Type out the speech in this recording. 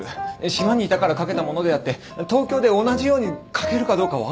島にいたから書けたものであって東京で同じように書けるかどうか分からない。